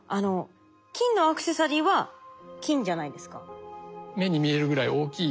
金のアクセサリーは金じゃないですか。